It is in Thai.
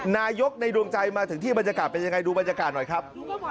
นายกในดวงใจมาถึงที่บรรยากาศเป็นยังไงดูบรรยากาศหน่อยครับ